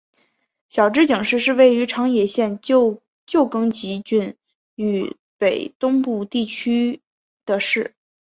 筱之井市是位于长野县旧更级郡域北东部地区的市。